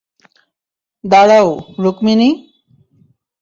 দাঁড়াও, রুকমিনি।